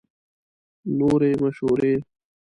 نورې مشورې